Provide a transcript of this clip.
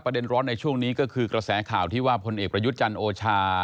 เด็นร้อนในช่วงนี้ก็คือกระแสข่าวที่ว่าพลเอกประยุทธ์จันทร์โอชา